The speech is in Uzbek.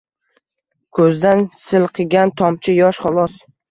Ko’zidan silqigan tomchi yosh, xolos.